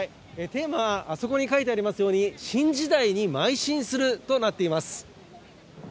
テーマは、あそこに書いてありますように、新時代にまい進するとなっています。